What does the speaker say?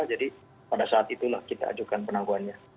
jadi pada saat itulah kita ajukan penangguhannya